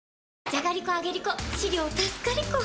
じゃがりこ、あげりこ！